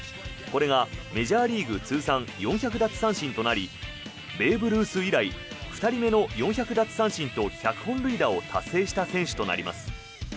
これがメジャーリーグ通算４００奪三振となりベーブ・ルース以来２人目の４００奪三振と１００本塁打を達成した選手となります。